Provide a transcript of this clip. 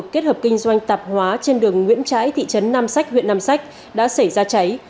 kết hợp kinh doanh tạp hóa trên đường nguyễn trãi thị trấn nam sách huyện nam sách đã xảy ra cháy